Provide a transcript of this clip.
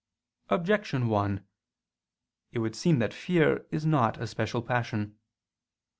Objection 1: It would seem that fear is not a special passion.